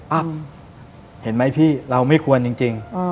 เห็นไหมพี่เราไม่ควรจริง